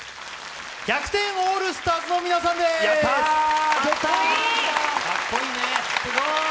１００点オールスターズの皆さんです。